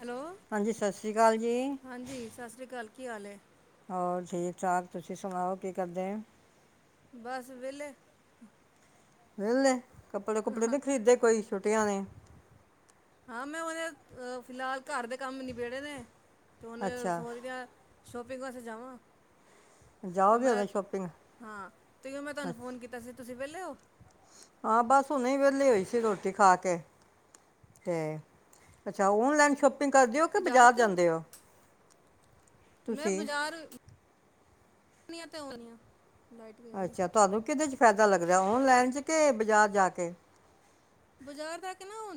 Hello ਹਾਂਜੀ ਸਤਿ ਸ੍ਰੀ ਅਕਾਲ ਜੀ ਹਾਂਜੀ ਸਤਿ ਸ਼੍ਰੀ ਅਕਾਲ ਕੀ ਹਾਲ ਹੈ ਹੋਰ ਠੀਕ ਠਾਕ ਤੁਸੀਂ ਸੁਣਾਓ ਕੀ ਕਰਦੇ ਹੋ। ਬਸ ਵਿਹਲੇ, ਵਹਿਕੇ, ਕੱਪੜੇ ਕੁੱਪੜੇ ਨੀ ਖਰੀਦੇ ਕੋਈ ਛੁਟੀਆਂ ਨੇ, ਆ ਮੈਂ ਉਹਦੇ ਫਿਲਹਾਲ ਘਰ ਦੇ ਕੰਮ ਨਬੇੜੇ ਨੇ, ਤੇ ਉਹਨੇ ਅੱਛਾ ਸੋਚ ਗਿਆ। ਸ਼ੋਪਿੰਗ ਵਾਸਤੇ ਜਾਵਾਂ। ਤੇ ਜਾਓਗੇ ਮੈਂ ਉਦੋਂ ਸ਼ਾਪਿੰਗ ਹਾਂ ਤੇ ਮੈਂ ਤੁਹਾਨੂੰ ਫੋਨ ਅੱਛਾ ਕੀਤਾ ਸੀ ਤੁਸੀਂ, ਵਹਿਲੇ ਔ, ਹਾਂ ਬਸ ਉਹਨੇ ਵੇਲੇ ਹੋਈ ਸੀ ਰੋਟੀ ਖਾ, ਕੇ ਤੇ ਅੱਛਾ ਹੁਣ ਲੈਣ ਛਪ ਕਰਦੇ ਹੋ ਕਿ ਜਾ ਬਾਜ਼ਾਰ ਸਕਦੇ ਜਾਂਦੇ ਹੋ ਤੁਸੀਂ, ਹੋਣੀਆਂ ਤੇ ਹੋਣੀਆਂ, ਅੱਛਾ ਤੁਹਾਨੂੰ ਕਿਹਦੇ ਚ ਫਾਇਦਾ ਲੱਗਦਾ ਔਨਲਾਈਨ ਚ ਕੇ ਬਾਜ਼ਾਰ ਜਾ ਕੇ ਬਾਜ਼ਾਰ ਤੱਕ ਨਾ ਉ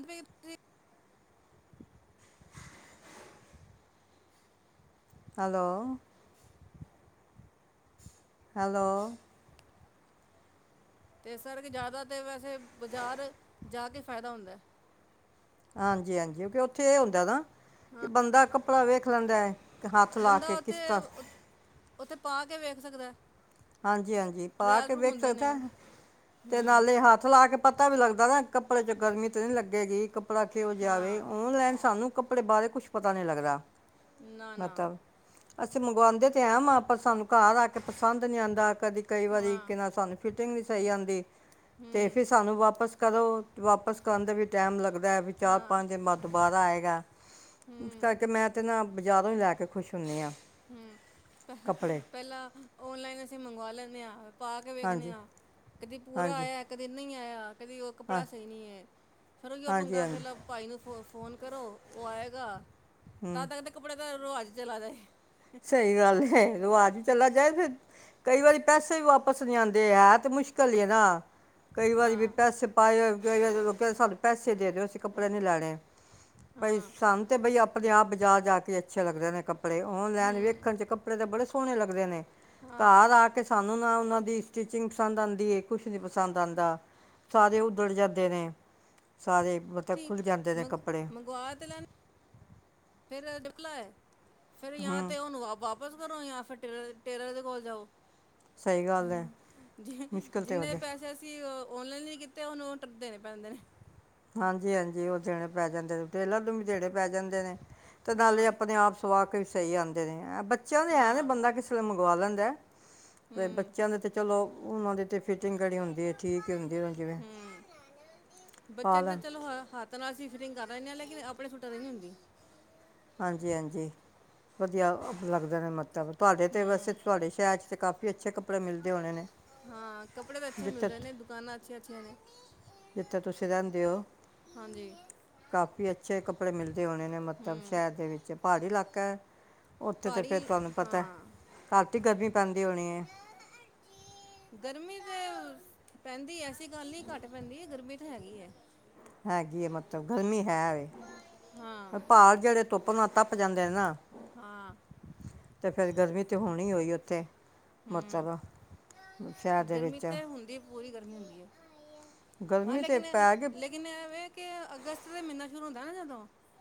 ਹੈਲੋ, ਹੈਲੋ, ਤੇ ਇਸ ਸਰਕੇ ਜ਼ਿਆਦਾ ਤਾਂ ਵੈਸੇ ਬਜ਼ਾਰ ਜਾ ਕੇ ਫਾਇਦਾ ਹੁੰਦਾ। ਹਾਂਜੀ-ਹਾਂਜੀ, ਕਿਉਕਿ ਉੱਥੇ ਇਹ ਹੁੰਦਾ ਨਾ ਹਾਂ ਕਿ ਬੰਦਾ ਕੱਪੜਾ ਵੇਖ ਲੈਂਦਾ ਹੈ। ਹੱਥ ਲਾ ਬੰਦਾ ਕੇ ਉੱਥੇ ਕਿਸ ਤਰ੍ਹਾਂ ਉ- ਉੱਥੇ ਪਾ ਕੇ ਵੇਖ ਸਕਦਾ। ਹਾਂਜੀ-ਹਾਂਜੀ ਪਾ ਟਰਾਇਲ ਕੇ ਰੂਮ ਵਿੱਚ ਹੁੰਦੇ ਨੇ ਤੇ ਹੂੰ ਨਾਲੇ ਹੱਥ ਲਾ ਕੇ ਪਤਾ ਵੀ ਲੱਗਦਾ, ਨਾ ਕੱਪੜੇ ਚ ਗਰਮੀ ਤੇ ਨਹੀ ਲੱਗੇਗੀ। ਕਪੜਾ ਕੇ ਹੋ ਜਾਵੇ ਹਾਂ, ਔਨਲਾਈਨ ਸਾਨੂੰ ਕੱਪੜੇ ਬਾਰੇ ਕੁੱਛ ਪਤਾ ਨੀ ਲੱਗਦਾ। ਨਾ ਨਾ, ਮਤਲਬ ਅਸੀਂ ਮੰਗਵਾਉਂਦੇ ਤੇ ਐ ਵਾਂ ਆਪਾਂ ਸਾਨੂੰ ਘਰ ਆ ਕੇ ਪਸੰਦ ਨੀ ਆਂਦਾ ਕਦੀ ਕਈ ਵਾਰੀ ਹਾਂ, ਕਿਹਾ ਸਾਨੂੰ ਫਿਰ ਨਹੀਂ ਸਹੀ ਆਦੀ, ਤੇ ਹੂੰ, ਫਿਰ ਸਾਨੂੰ ਵਾਪਸ ਕਦੋਂ ਵਾਪਸ ਕਰਨ ਦਾ ਵੀ ਟਾਈਮ ਲੱਗਦਾ। ਵੀ ਚਾਰ ਹਾਂ, ਪੰਜ ਮਤ ਦੋਬਾਰਾ ਆਏਗਾ। ਗਾ। ਹੂੰ, ਤਾਂ ਕਿ ਮੈਂ ਤੇ ਨਾ ਬਜ਼ਾਰੋਂ ਹੀ ਲੈ ਕੇ ਖੁਸ਼ ਹੁੰਦੀ ਹਾਂ। ਹਮ ਪਹਿਲਾਂ ਔਨਲਾਈਨ ਅਸੀ ਇਥੇ ਮੰਗਵਾ ਲੈ ਨੇ ਆ ਪਾ ਕੇ ਵੇਖਦੇ ਹਾਂਜੀ ਹਾਂ। ਕਦੀ ਪੂਰਾ ਹਾਂਜੀ ਆਇਆ ਕਦੀ ਨਹੀਂ। ਆਇਆ, ਕਦੀ ਉਹ ਹਾਂ ਕੱਪੜਾ ਸਹੀ ਨਹੀਂੀ ਹੈ ਫਿਰ ਉਹੀਓ ਹਾਂਜੀ ਪੰਗਾ ਹਾਂਜੀ ਫਿਰ ਭਾਈ ਨੂੰ ਫੋਨ ਫ਼ੋਨ ਕਰੋ ਉਹ ਆਏਗਾ। ਤਾਂ ਹੂੰ ਤੱਕ ਤਾਂ ਕੱਪੜਾ ਰਵਾਜ਼ ਚਲਾ ਜਾਏ। ਸਹੀ ਗੱਲ। ਰਵਾਜ਼ ਵੀ ਚਲਾ ਜਾਏ ਫ ਕਈ ਵਾਰੀ ਪੈਸੇ ਵੀ ਵਾਪਸ ਨਹੀਂੀ ਆਉਂਦੇ ਹੈ ਤੇ ਮੁਸ਼ਕਿਲ ਹੀ ਨਾ ਕਈ ਵਾਰੀ ਵੀ ਹਾਂ, ਪੈਸੇ ਪਾਏ ਹੋਏ ਸਾਨੂੰ ਪੈਸੇ ਦੇ ਦਿਓ ਅਸੀਂ ਕਪੜੇ ਨਹੀਂ ਲੈਣੇ। ਬਾਈ ਹਾਂ, ਸਾਨੂੰ ਤੇ ਬਈ ਆਪ। ਆਪਣੇ ਆਪ ਬਾਜ਼ਾਰ ਜਾ ਕੇ ਅੱਛੇ ਲੱਗਦੇ ਨੇ ਕੱਪੜੇ ਇੰਜ ਹੂੰ, ਵਖਣ ਚ ਕਪੜੇ ਤੇ ਬੜੇ ਸੋਹਣੇ ਸੋਣੇ ਲੱਗਦੇ ਨੇ। ਹਾਂ। ਘਾਰ ਆ ਕੇ ਸ ੂੰ ਨਾ ਉਹਨਾਂ ਦੀ ਸਟਿਚਿੰਗ ਪਸੰਦ ਆਉਂਦੀ ਹੈ ਕੁਛ ਨੀ ਪਸੰਦ ਆਉਂਦਾ ਸਾਰੇ ਉਦੜ ਜਾਂਦੇ ਨੇ ਸਾਰੇ ਮਤਲਬ ਠੀਕ ਖੁੱਲ੍ਹ ਜਾਂਦੇ ਨੇ ਮੰਗ ਕੱਪੜੇ ਫੇਰ ਡੁਕ ਲਾਏ। ਫੇਰ ਯਾਂ ਹੂੰ ਤੇ ਉਨੂੰ ਵਾਪਸ ਕਰੋ ਯਾਰ, ਫਿਰ ਟੇਲਰ ਦੇ ਕੋਲ ਜਾਓ। ਸਹੀ ਗੱਲ ਹੈ ਜ ਮੁਸ਼ਕਿਲ ਤਾਂ ਹੋ ਜਿੰਨੇ ਜਾਏ ਪੈਸੇ ਸੀ। ਓਨਲਾਨ ਨਤੇ, ਉਹਨੂੰ ਉਹ ਟ ਦੇਣੇ ਪੈਂਦੇ ਨੇ। ਹਾਂਜੀ- ਹਾਂਜੀ, ਉਹ ਦੇਣੇ ਪੈ ਜਾਂਦੇ ਨੇ, ਟੇਲਰ ਨੂੰ ਵੀ ਦੇਣੇ ਪੈ ਜਾਂਦੇ ਨੇ। ਤੇ ਨਾਲੇ ਹਾਂ ਆਪਣੇ ਆਪ ਸੁਆਗ ਵੀ ਸਹੀ ਆਉਦੇ ਨੇ। ਬੱਚਿਆਂ ਨੂੰ ਐ ਦੇ, ਹਾਂ ਬੰਦਾ ਕਿਸੇ ਦੇ ਲੇ ਮੰ ਗੁਆ ਲੈਂਦਾ। ਤੇ ਹੂੰ ਬੱਚਿਆਂ ਦੇ ਤੇ ਚਲੋ। ਉਹ ਉਹਦੇ ਤੇ, ਫਿਟਿੰਗ ਹੁੰਦੀ। ਦੇ ਠੀਕ ਹੀ, ਹੁੰਦੇ ਓ ਜਿਵੇਂ। ਪਾ ਕਹਿੰਦੇ ਲੈਣ ਚਲੋ, ਹੱਥ ਨਾਲ ਸੀ ਫ ਰਿੰਗਾ ਕਰਦਾ ਰ ਆ, ਲੇਕਿਨ ਆਪਣੇ ਸੂਟਾ ਦੀ ਨ ਨਹੀਂ ਹੁੰਦੀ। ਹਾਂਜੀ-ਹਾਂਜੀ, ਵਧੀਆ ਲੱਗਦੇ ਨੇ, ਮੱਤਾ ਵਧ ਤੁਹਾਡੇ ਤੇ ਵਸ, ਹੂੰ ਤੁਹਾਡੇ ਸ਼ਹਿਰ ਚ ਕਾਫੀ ਅੱਛੇ ਕੱਪੜੇ ਮਿਲਦੇ ਹੋਣੇ ਨੇ। ਹਾਂ, ਕੱਪੜੇ ਤਾਂ ਅੱਛੇ ਜਿੱਥੇ ਮਿਲਦੇ ਨੇ, ਦੁਕਾਨਾਂ ਅੱਛੀਆਂ-ਅੱਛੀਆਂ ਨੇ। ਜਿੱਥੇ ਤੁਸੀਂ ਰਹਿੰਦੇ ਹੋ, ਹਾਂਜੀ ਕਾਫੀ ਅੱਛੇ ਕੱਪੜੇ ਮਿਲਦੇ ਹੋਣੇ ਨੇ, ਮਤਲਬ, ਹੂੰ ਸ਼ਹਿਰ ਦੇ ਵਿੱਚ ਪਹਾੜੀ ਇਲਾਕਾ ਹੈ, ਉੱਥੇ ਤੇ ਪਹਾੜੀ ਫਿਰ ਇਲ ਤੁਹਾਨੂੰ ਪਤਾ ਹਾਂ ਘਟ ਹੀ ਗਰਮੀ ਪੈਂਦੀ ਹੋਣੀ ਹੈ। ਗਰਮੀ ਤੇ ਪੈਂਦੀ ਐਸੀ ਗੱਲ ਨਹੀਂ ਘੱਟ ਪੈਂਦੀ ਹੈ, ਗਰਮੀ ਤਾਂ ਹੈਗੀ ਹੈ। ਹੈਗੀ ਐਂ, ਮਤਲਬ ਗਰਮੀ ਹੈ ਹਾਂ ਵ, ਪਹਾੜ ਜਿਹੜੇ ਧੁੱਪ ਤ ਜਾਂਦੇ ਨੇ ਨਾ। ਹਾਂ। ਤੇ ਫੇਰ ਗਰਮੀ ਤੇ ਹੋਣੀ ਹੋਈ, ਉੱਥੇ। ਹੂੰ ਮਤਲਬ, ਸ਼ਹਿਰ ਦੇ ਵਿੱਚ। ਮਿਲਦੀ ਹੈ। ਹਾਂ ਗਰਮੀ ਤਾਂ ਲੇਕਿਨ- ਪੈ ਗਈ ਲੇਕਿਨ ਏ ਵੇ ਕਿ ਅਗਸਤ ਦਾ ਮਹੀਨਾ ਸ਼ੁਰੂ ਹੁੰਦਾ ਨਾ ਜਦੋਂ। ਹ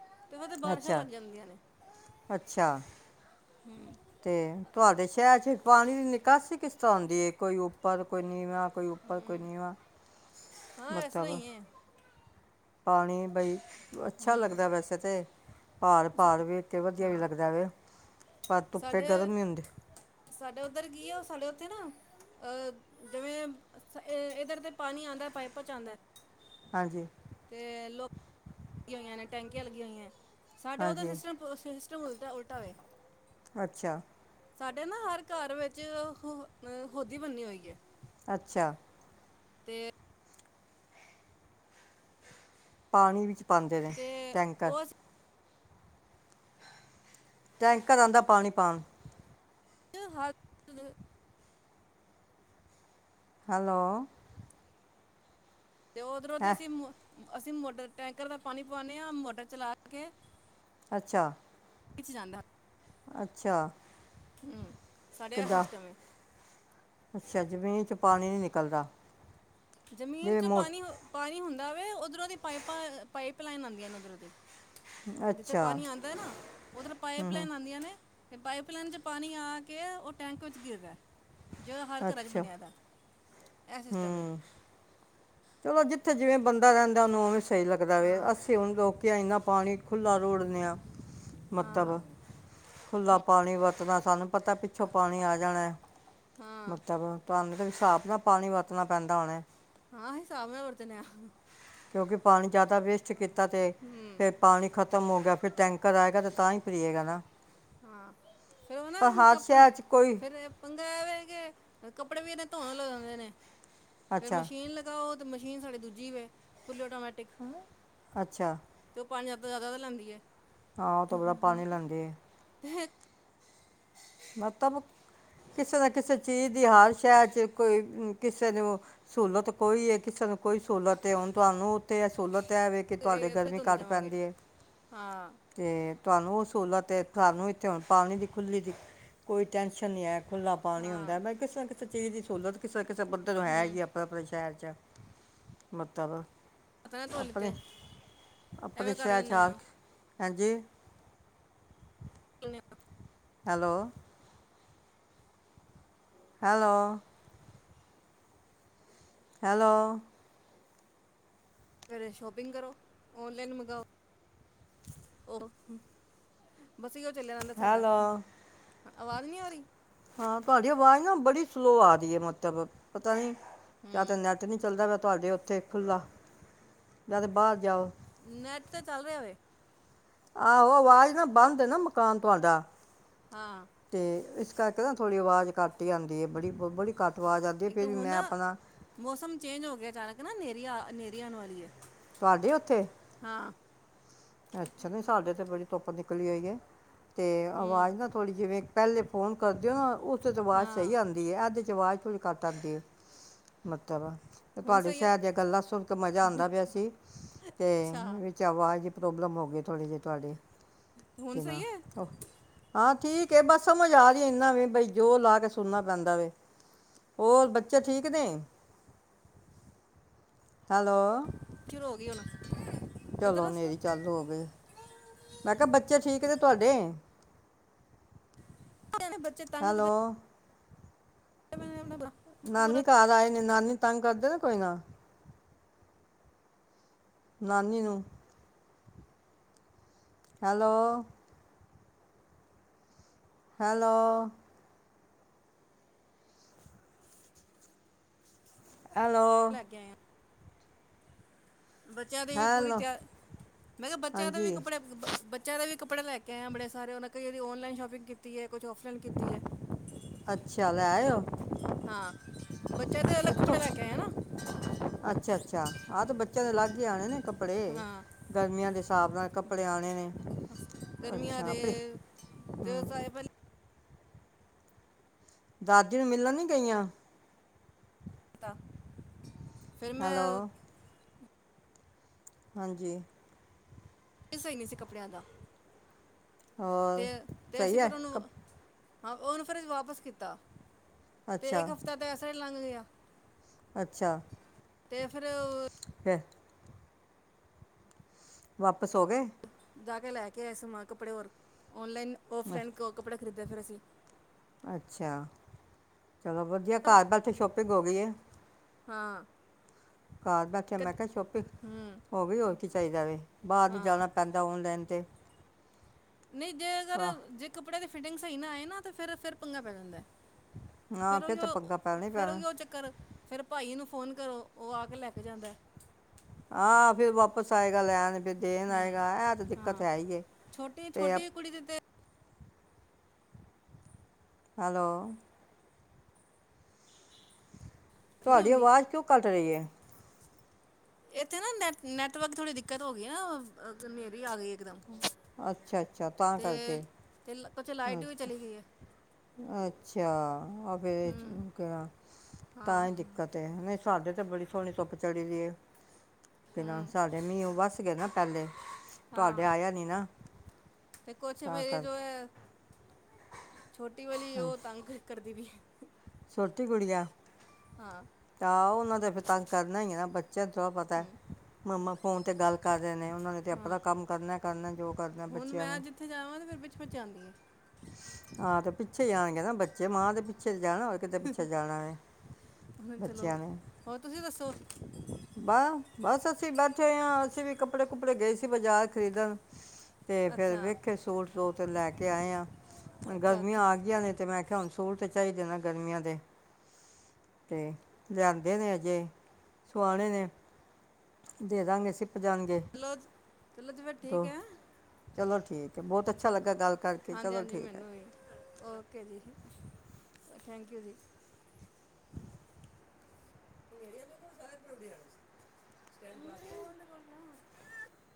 ਅੱਛਾ-ਅੱਛਾ। ਹੂੰ ਤੇ ਤੁਹਾਡੇ ਸ਼ਹਿਰ ਚ ਪਾਣੀ ਵੀ ਨਿੱਕਾ ਕਿਸ ਤਰ੍ਹਾਂ ਹੁੰਦੀ ਏ, ਕੋਈ ਉੱਪਰ, ਕੋਈ ਨੀਵਾਂ। ਕੋਈ ਉੱਪਰ, ਕੋਈ ਹੂੰ ਨੀਵਾਂ ਹਾਂ ਇਸ ਤਰ੍ਹਾਂ ਮਤਲਬ। ਹੀ ਹੈ ਪਾਣੀ ਬਈ ਅੱਛਾ, ਹੂੰ ਲੱਗਦਾ ਵੈਸੇ ਤਾਂ ਪਹਾੜ ਸਾ -ਪਹਾੜ ਵੇਖਕੇ ਵਧੀਆ ਵੀ ਹਾਂ ਲੱਗਦਾ ਵ, ਪਰ ਧੁੱਪੇ ਗਰਮ ਹੀ ਹੁੰਦੇ। ਇਧਰ ਕੀ ਆ ਉਹ ਸਾਡੇ ਉੱਥੇ ਨਾ ਅਹ ਜਿਵੇਂ ਇਧਰ ਤੇ ਪਾਣੀ ਆਉਂਦਾ ਪਾਈਪਾਂ ਚ ਆਉਂਦਾ ਹਾਂਜੀ ਤੇ ਲੋਕ ਲੱਗੀ ਹੋਈਆਂ ਨੇ ਟੈਂਕੀਆਂ ਲੱਗੀ ਆਂ ਹੋਈਆਂ ਸਾਡੇ ਉਹਦਾ ਹਾਂਜੀ ਸਿਸਟਮ ਉਲਟ ਉਲਟਾਵੇ ਅੱਛਾ ਸਾਡੇ ਨਾ ਹਰ ਘਰ ਵਿੱਚ ਹੋਦੀ ਬੰਨੀ ਹੋਈ ਹੈ ਅੱਛਾ, ਤੇ, ਪਾਣੀ ਵਿੱਚ, ਪਾਉਂਦੇ ਨੇ ਤੇ ਟੈਂਕਰ, ਉਹ ਟੈਂਕਰ ਆਦਾ ਪਾਣੀ ਪਾਣ [unintelligible] ਹੈਲੋ, ਤੇ ਉਧਰੋਂ ਦੀ ਹੈ ਅਸੀਂ ਅਸੀਂ ਮੋਟਰ ਟੈਂਕਰ ਦਾ ਪਾਣੀ ਪਵਾਨੇ ਹਾਂ ਮੋਟਰ ਚਲਾ ਕੇ, ਅੱਛਾ, ਵਿੱਚ ਜਾਂਦਾ। ਅੱਛਾ ਹੂੰ ਸਾਡੇ ਇਹ ਕਿੱਦਾਂ, ਸਿਸਟਮ ਹੈ ਅੱਛਾ ਜ਼ਮੀਨ ਚ ਪਾਣੀ ਨੀ ਨਿਕਲਦਾ। ਜ਼ਮੀਨ ਜਿਵੇਂ ਚੋਂ ਮੋ ਪਾਣੀ ਪਾਣੀ ਹੁੰਦਾ। ਦਾਵੇ ਉੱਧਰੋਂ ਦੀ ਪਾਈਪਾਂ-ਪਾਈਪ ਲਾਈਨ ਆਦੀਆਂ ਨੇ ਉੱਧਰੋਂ ਦੀ, ਜਿੱਥੇ ਅੱਛਾ ਪਾਣੀ ਆਦਾ ਨਾ ਉੱਧਰ ਪਾਈਪ ਲਾਈਨ ਆਦੀਆਂ ਨੇ, ਤੇ ਪਾਈਪ ਲਈਨ ਚ ਪਾਣੀ ਆ ਕੇ ਉਹ ਟੈਂਕ ਵਿੱਚ ਗਿਰਦਾ, ਜ ਹਰ ਘਰਾਂ ਚ ਅੱਛਾ ਬਣਿਆ। ਇਹ ਹੂੰ, ਸਿਸਟਮ ਹੈ ਚਲੋ, ਜਿੱਥੇ ਜਿਵੇਂ ਬੰਦਾ ਰਹਿੰਦਾ ਉਹਨੂੰ ਉਵੇ ਸਹੀ ਲੱਗਦਾ ਵੇ ਹਾਂ ਅਸੀਂ ਹੁਣ ਰ ਆ ਇੰਨਾ ਪਾਣੀ ਖੁਾ ਰੋੜਦੇ ਹਾਂ ਹਾਂ ਮਤਲਬ ਖੁਲਾ ਪਾਣੀ ਵਰਤਣਾ ਸਾਨੂੰ, ਪਤਾ ਪਿੱਛੋਂ ਪਾਣੀ ਆ ਜਾਣਾ ਹਾਂ ਮਤਲਬ ਤੁਹਾਨੂੰ ਤੇ ਹਿਸਾਬ ਨਾਲ ਪਾਣੀ ਵਰਤਣਾ ਪੈਂਦਾ ਉਹਨੇ, ਹਾਂ ਹਿਸਾਬ ਨਾਲ ਵਰਤਣੇ, ਕਿਉਂਕਿ ਪਾਣੀ ਜ਼ਿਆਦਾ ਵੇਸਟ ਕੀਤਾ। ਕੀਤਾ ਤੇ ਫੇਰ ਪਾਣੀ ਖ਼ਤਮ ਹੋ ਗਿਆ ਫੇਰ ਟੈਂਕਰ ਆਏਗਾ ਤੇ ਤਾਂ ਹੀ ਪਏਗਾ ਨਾ, ਹਾਂ ਫਿਰ ਉਹ ਨਾ ਪਰ ਹੁਣ ਹਰ ਕ ਸ਼ਹਿਰ 'ਚ ਕੋਈ ਫੇਰ ਪੰਗਾ ਐ ਵੇ ਕੱਪੜੇ ਵੀ ਇਹੇ ਧੋਣ ਲਗਾਣੇ ਨੇ ਫੇਰ ਅੱਛਾ ਮਸ਼ੀਨ ਲਗਾਓ। ਮਸ਼ੀਨ ਸਾਡੀ ਦੂਜੀ ਵੇ, ਫੁੱਲੀ ਆਟੋਮੈਟਿਕ ਅੱਛਾ ਅਤੇ ਉਹ ਪਾਣੀ ਅਪਣੇ ਜ਼ਿਆਦਾ ਤਾਂ ਲੈਂਦੀ ਹੈ। ਹਾਂ ਉਹ ਤੋਂ ਬੜਾ ਪਾਣੀ ਲੈਂਦੀ ਆ। ਤੇ ਮਤਲਬ ਕਿਸੇ ਨਾ ਕਿਸੇ ਚੀਜ਼ ਦੀ ਹਰ ਸ਼ਹਿਰ ' ਕੋਈ ਕਿਸੇ ਨੂੰ ਸਹੂਲਤ ਕੋਈ ਹੈ ਕਿਸੇ ਨੂੰ ਕੋਈ ਸਹੂਲਤ ਹੈ ਹੁਣ ਤੁਹਾਨੂੰ ਉੱਥੇ ਇਹ ਸਹੂਲਤ ਤਾਂ ਹੈ ਵੇ ਕਿ ਤੁਹਾਡੇ ਇਹ ਤੇ ਗਰਮੀ ਧੁੰਦੇ ਘੱਟ ਜਾਵਾਂਗੇ। ਪੈਂਦੀ ਹੈ ਹਾਂ ਤੇ ਤੁਹਾਨੂੰ ਸਹੂਲਤ ਏ ਤੁਹਾਨੂੰ ਇਥੇੁ ਹੁਣ ਪਾਣੀ ਦੀ ਖੁੱਲੀ ਦੀ ਕੋਈ ਟੈਨਸ਼ਨ ਨਹੀਂ ਹੈ ਖੁੱਲਾ ਪਾਣੀ ਹਾਂ ਹੁੰਦਾ ਮੈਂ ਕਿਸੇ ਨਾ ਕਿਸੇ ਚੀਜ਼ ਦੀ ਸਹੂਲਤ ਕਿਸ ਕਿਸੇ ਬੰਦੇ ਤੋਂ ਹੈ ਹੂੰ ਜੀ ਆਪਣੇ ਆਪਣੇ ਸ਼ਹਿਰ ਚ ਮਤਲਬ ਪਤਾ ਨਾ ਧੋ ਆਪਣੇ ਲਿੱਤੇ ਆਪਣੇ ਐਵੇਂ ਕਰ ਸ਼ਹਿਰ ਚ ਲੈਂਦੇ ਹਾਂ। ਆਕ ਹਾਂਜੀ ਹੈਲੋ ਹੈਲੋ ਹੈਲੋ ਫਿਰ ਸ਼ੋਪਿੰਗ ਕਰੋ ਓਨਲਾਈਨ ਮੰਗਵਾਓ ਉਹ ਬਸ ਏਹਿਓ ਚੱਲਿਆ ਰਹਿੰਦਾ ਸਾਡਾ ਹੈਲੋ ਆਵਾਜ਼ ਨਹੀਂ ਆ ਰਹੀ ਹਾਂ ਤੁਹਾਡੀ ਆਵਾਜ਼ ਨਾ ਬੜੀ ਸਲੋਅ ਆ ਰਹੀ ਏ ਮਤਲਬ ਪਤਾ ਨੀ ਜਾਂ ਤਾਂ ਹੂੰ ਨੈਟ ਨੀ ਚੱਲਦਾ ਵ ਤੁਹਾਡੇ ਉੱਥੇ ਖੁੱਲ੍ਹਾ ਨਾ ਤਾਂ ਬਾਹਰ ਜਾਓ ਨੈੱਟ ਤੇ ਚੱਲ ਰਿਹਾ ਵੈ ਆਹੋ ਆਵਾਜ਼ ਨਾ ਬੰਦ ਨਾ ਮਕਾਨ ਤੁਹਾਡਾ ਹਾਂ ਤੇ ਇਸ ਥੋੜ੍ਹੀ ਆਵਾਜ਼ ਘਟ ਘਟ ਆਉਂਦੀ ਹੈ ਬੜੀ ਬੜੀ ਘੱਟ ਆਵਾਜ਼ ਆਉਂਦੀ ਇੱਕ ਫਿਰ ਤਾਂ ਵੀ ਹੁਣ ਮੈਂ ਨਾ ਆਪਣਾ ਹਨੇਰੀ ਆਉਣ ਵਾਲੀ ਹੈ ਤੁਹਾਡੇ ਓਥੇ ਹਾਂ ਅੱਛਾ ਨਹੀਂ ਸਾਡੇ ਤੇ ਬੜੀ ਧੁੱਪ ਨਿਕਲੀ ਹੋਈ ਹੈ ਅਤੇ ਹੂੰ ਆਵਾਜ਼ ਨਾ ਥੋੜੀ ਜਿਵੇਂ ਪਹਿਲੇ ਫੋਨ ਕਰਦੇ ਓ ਨਾ ਉੱ ਆਵਾਜ਼ ਹਾਂ ਸਹੀ ਆਉਂਦੀ ਹੈ ਐਧੇ ਚ ਆਵਾਜ਼ ਥੋੜੀ ਘੱਟ ਆਉਦੀ ਮਤਲਬ ਤੇ ਹੁਣ ਤੁਹਾਡੇ ਸਹੀ ਆ ਸ਼ਹਿਰ ਦੀਆਂ ਗੱਲਾਂ ਸੁਣ ਕੇ, ਮਜ਼ਾ ਆਉਂਦਾ ਪਿਆ ਸੀ, ਤੇ ਅੱਛਾ ਵਿੱਚ ਆਵਾਜ਼ ਪ੍ਰੋਬਲ ਹੋ ਗਈ, ਥੋੜ੍ਹੇ ਜਹੇ ਤੁਹਾਡੇ [inaudible] ਹੁਣ ਸਹੀ ਹੈ ਠੀਕ ਬਸ ਸਮਝ ਆ ਰਹੀ, ਇਨਾ ਵੀ ਬਈ ਜੋਰ ਲਾ ਕੇ ਸੁਣਨਾ ਪੈਂਦਾ ਵ, ਹੋਰ ਬੱਚੇ ਠੀਕ ਨੇ? ਹੈਲੋ। ਸ਼ੁਰੂ ਹੋ ਗਈ ਹੁਣ ਚਲੋ, ਇਧਰ ਨੇੇਰੀ ਚਾਲੂ ਹੋ ਗਏ‌। ਮੈਂ ਕਿਹਾ ਬੱਚੇ ਠੀਕ ਨੇ ਤੁਹਾਡੇ। ਹੈਲੋ [inaudible] ਆਪਣੇ ਨਾਨੀ ਘਰ ਆਏ। ਨਾਨੀ ਤੰਗ ਕਰਦੇ ਨਾ, ਕੋਈ ਨਾ। ਨਾਨੀ ਨੂੰ। ਹੈਲੋ। ਹੈਲੋ ਹੈਲੋ ਲੱਗ ਬੱਚਿਆਂ ਦੀ ਵੀ ਪੂਰੀ ਹੈਲੋ [inaudible] ਬੱਚਿਆਂ ਹਾਂਜੀ ਦਾ ਵੀ ਕੱਪੜੇ ਲੈ ਕੇ ਆ ਬੜੇ ਸਾਰੇ, ਉਹਨਾਂ ਦੀ ਔਨਲਾਈਨ ਸ਼ੋਪਿੰਗ ਕੀਤੀ ਹੈ। ਕੁਛ ਔਫਲਾਈਨ ਕੀਤੀ ਏ। ਅੱਛਾ ਲੈ ਆਇਓ ਹਾਂ। ਇੱਥੋਂ ਕੱਪੜੇ ਲੈ ਕੇ ਆਇਆ ਨਾ ਅੱਛਾ- ਅੱਛਾ ਆਹ ਤੇ ਬੱਚਿਆਂ ਦੇ ਅਲੱਗ ਹੀ ਆਉਣੇ ਨੇ ਕੱਪੜੇ, ਹਾਂ ਗਰਮੀਆਂ ਦੇ ਹਿਸਾਬ ਨਾਲ, ਕੱਪੜੇ ਆਣੇ ਨੇ ਗਰਮੀਆਂ ਅੱਛਾ ਦੇ ਆਪਣੇ ਤੇ ਉਹ ਹਮ। ਸਾਰੇ ਪਹਿਲੇ ਦਾਦੀ ਨੂੰ ਮਿਲਣ ਨੀ ਗਈਆਂ। [inaudible] ਫਿਰ ਮੈਂ ਹੈਲੋ ਹਾਂਜੀ। ਇਹ ਸਹੀ ਨੀ ਸੀ, ਕੱਪੜੇ ਦਾ। ਹੋਰ ਤੇ ਤੇ ਸਹੀ ਅਸੀਂ ਏ, ਫਿਰ ਉਹਨੂੰ ਕਪ ਹਾਂ, ਉਹਨੂੰ ਫਿਰ ਵਾਪਿਸ ਕੀਤਾ। ਤੇ ਅੱਛਾ ਇੱਕ ਹਫ਼ਤਾ ਤੇ ਇਸ ਤਰ੍ਹਾਂ ਹੀ ਲੰਘ ਗਿਆ। ਅੱਛਾ। ਤੇ ਫਿਰ ਫਿਰ। ਵਾਪਿਸ ਹੋ ਗਏ। ਜਾ ਕੇ ਲੈ ਕੇ ਆਏ ਸੀ, ਕੱਪੜੇ ਹੋਰ। ਓਨਲਾਈਨ, ਅ- ਆਫਲਾਈਨ ਕੱਪੜ ਖਰੀਦਿਆ ਫਿਰ ਅਸੀਂ ਅੱਛਾ ਚਲੋ ਵਧੀਆ ਘਰ ਬੈਠੇ ਸ਼ੋਪਿੰਗ ਹੋ ਗਈ ਏ ਹਾਂ ਘਰ ਬੈਠਿਆ ਮੈਂ ਕਦ ਕਿਹਾ ਸ਼ੋਪਿੰਗ ਹੂੰ ਹੋ ਗਈ ਹੋਰ ਕੀ ਚਾਹੀਦੈ ਬਾਹਰ ਨੀ ਹਾਂ ਜਾਣਾ ਪੈਂਦਾ ਓਨਲਾਈਨ ਤੇ ਨਹੀਂ ਜੇ ਅਗਰ ਕਾ- ਜੇ ਕੱਪੜੇ ਦੇ ਫਿਟਿੰਗ ਸਹੀ ਨਾ ਆਏ ਨਾ ਫੇਰ ਫੇਰ ਪੰਗਾ ਪੈ ਜਾਂਦਾ ਹਾਂ ਫਿਰ ਉਹ ਫੇਰ ਤੇ ਜੋ ਪੱਗਾ ਪੈਣੈ ਹੀ ਫਿਰ ਉਹ ਪੈਣੈ ਜੋ ਚੱਕਰ ਫਿਰ ਭਾਈ ਨੂੰ ਫੋਨ ਕਰੋ ਉਹ ਆ ਕੇ ਲੈ ਕੇ ਜਾਂਦਾ। ਆ ਫੇਰ ਵਾਪਿਸ ਆਏਗਾ, ਲੈਣ ਫਿਰ ਦੇਣ ਹੂੰ ਆਏਗਾ ਇਹ ਤੇ ਦਿੱਕਤ ਹਾਂ ਹੈ ਹੀ ਛੋਟੀ ਤੇ ਛੋਟੀ ਕੁੜੀ ਦੇ ਤੇ ਹੈਲੋ, ਨਹੀਂ ਤੁਹਾਡੀ ਹੁੰਦੀ ਆਵਾਜ਼ ਕਿਉਂ ਕੱਟ ਰਹੀ ਏ ਇੱਥੇ ਨਾ ਨੈਟ ਨੈਟਵਰਕ ਥੋੜੀ ਦਿੱਕਤ ਹੋ ਗਈ ਨਾ ਹਨੇਰੀ ਆ ਗਈ ਇਕਦਮ ਅੱਛਾ-ਅੱਛਾ ਤਾਂ ਕਰਕੇ, ਤੇ ਕੁਛ ਅ ਲਾਈਟ ਵੀ ਚਲੀ ਗਈ ਹੈ ਅੱਛਾ ਆ ਫੇਰ ਤਾਂ ਹੀ ਦਿੱਕਤ ਹੈ। ਸਾਡੇ ਤੇ ਬੜੀ ਸੋਹਣੀ ਧੁੱਪ ਚੜੀ ਦੀ ਏ, ਐ ਹਮ ਸਾਡੇ ਮੀਂਓ ਵੱਸ ਗਏ ਨਾ ਪਹਿਲੇ, ਤੁਹਾਡੇ ਹਾਂ ਆਇਆ ਨੀ ਨਾ, ਤੇ ਕੁਛ ਤਾਂ ਮੇਰੀ ਜੋ ਕਰਕੇ ਹੈ। ਛੋਟੀ ਵਾਲੀ ਹਾਂਜੀ ਉਹ ਤੰਗ ਕਰਦੀ ਪਈ ਏ ਛੋਟੀ ਗੁੜੀਆ, ਹਾਂ ਆਹੋ ਉਹਨਾਂ ਤੇ ਫੇਰ ਤੰਗ ਕਰਨਾ ਹੀ ਏ ਨਾ ਬੱਚਿਆਂ ਨੂੰ ਥੋੜ੍ਹਾ ਪਤਾ ਹਮ ਮੰਮਾ ਫੋਨ ਤੇ ਗੱਲ, ਕਰ ਰਹੇ ਨੇ ਉਹਨਾਂ ਨੇ ਤੇ ਆਪਣਾ ਹਾਂ ਕੰਮ ਕਰਨਾ ਕਰਨਾ ਜੋ ਕਰਨਾ ਹੁਣ ਬੱਚਿਆਂ ਨੇ ਮੈਂ ਜਿੱਥੇ ਜਾਵਾਂ ਤੇ ਫਿਰ ਵਿੱਚ ਵਿੱਚ ਆਉਂਦੀ ਹੈ ਆਹ ਤੇ ਪਿੱਛੇ ਜਾਣਗੇ, ਨਾ ਬੱਚੇ ਮਾਂ ਦੇ ਪਿੱਛੇ ਜਾਣਾ ਕਿਤੇ ਪਿੱਛੇ ਜਾਣਾ ਵੇ ਹੁਣ ਚਲੋ ਬੱਚਿਆਂ ਨੇ ਹੋਰ ਤੁਸੀਂ ਦੱਸੋ ਬਾ ਬਸ ਅਸੀਂ ਬੈਠੇ ਹਾਂ ਅਸੀਂ ਵੀ ਕੱਪੜੇ ਕੁਪੜੇ ਗਏ ਸੀ ਬਾਜ਼ਾਰ ਖਰੀਦਣ, ਤੇ ਫੇਰ ਅੱਛਾ ਵੇਖੇ ਸੂਟ ਦੋ ਤਿੰਨ ਲੈ ਕੇ ਆਏ ਆ ਅੱਛਾ ਗਰਮੀਆਂ ਆ ਅੱਛਾ ਗਈਆਂ ਨੇ ਤੇ ਮੈਂ ਕਿਹਾ ਆ ਹੁਣ ਸੂਟ ਤੇ ਚਾਹੀਦੇ ਨੇ, ਗਰਮੀਆਂ ਦੇ ਤੇ ਲਿਆਂਦੇ ਨੇ ਅਜੇ ਸੁਆਣੇ ਨੇ ਦੇ ਦਾਂਗੇ ਸਿ ਜਾਣਗੇ ਚਲੋ ਚਲੋ ਜੀ ਫਿਰ ਤ ਠੀਕ ਚਲੋ। ਠੀਕ ਬਹੁਤ ਅੱ ਹਾਂਜੀ-ਹਾਂਜੀ ਮੈਨੂੰ ਹੀ ਓਕੇ ਜੀ, ਥੈਂਕਯੂ ਜੀ, [unintelligible]